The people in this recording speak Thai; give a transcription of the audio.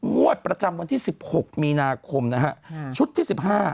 งวดประจำวันที่๑๖มีนาคมนะฮะชุดที่๑๕